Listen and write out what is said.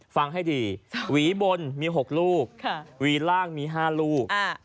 ฟังให้ดีหวีบนมี๖ลูกหวีล่างมี๕ลูก